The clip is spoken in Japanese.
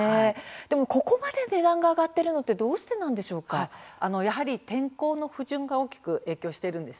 でもここまで値段が上がっているやはり天候の不順が大きく影響しています。